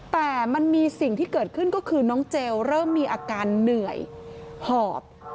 แต่มันมีสิ่งที่เกิดขึ้นก็คือน้องเจลเริ่มมีอาการเหนื่อยหอบ